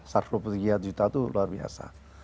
satu puluh puluh tiga juta itu luar biasa